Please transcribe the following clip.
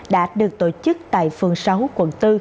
đã được tổ chức tại phường sáu quận bốn